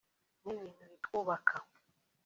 ni ibintu bitwubaka